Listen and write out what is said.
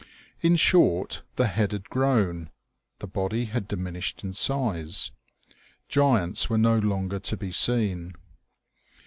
In short, the head had grown, the body had diminished in size. Giants were no longer to be seen.